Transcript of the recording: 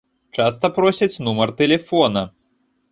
Часта просяць нумар тэлефона.